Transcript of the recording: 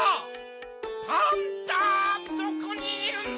パンタどこにいるんだ？